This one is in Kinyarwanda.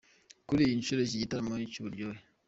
Kuri iyi nshuro iki gitaramo cy’uburyohe